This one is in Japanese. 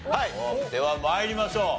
では参りましょう。